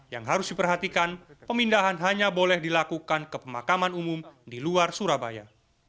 yang harus diperhatikan pemindahan hanya boleh dilakukan ke pemakaman umum di luar surabaya